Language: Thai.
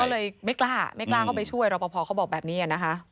ก็เลยไม่กล้าไปช่วยรหภบอกแบบนี้แหละนะฮะ